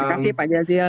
terima kasih pak jazil